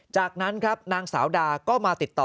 จากนั้นครับนางสาวดาก็มาติดต่อ